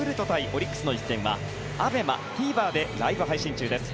オリックスの一戦はＡＢＥＭＡ、ＴＶｅｒでライブ配信中です。